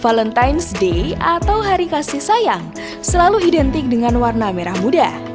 valentines ⁇ day atau hari kasih sayang selalu identik dengan warna merah muda